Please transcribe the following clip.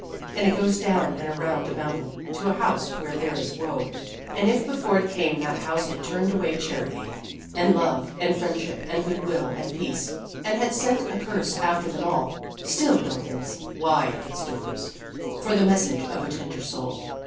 And it goes down and around a mountain to a house where there is woe, and if before it came that house had turned away charity and love and friendship and good will and peace, and had sent a curse after them all, still it opens wide its doors for the message of a tender soul.